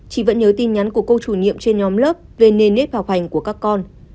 chị vẫn nhớ tin nhắn của cô chủ nhiệm trên nhóm lớp về nền nếp học hành của các con